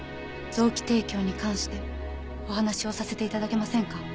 臓器提供に関してお話をさせて頂けませんか？